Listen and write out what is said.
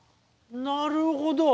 なるほど。